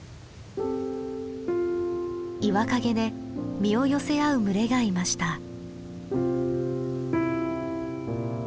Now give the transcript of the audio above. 岩陰で身を寄せ合う群れがいました。